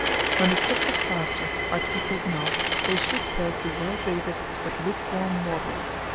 When the strips of plaster are to be taken off, they should first be well bathed with lukewarm water.